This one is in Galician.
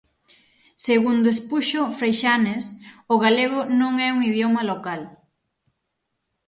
Segundo expuxo Freixanes, o galego non é un idioma local.